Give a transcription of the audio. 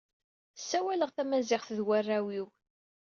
Ssawaleɣ tamaziɣt d warraw-iw.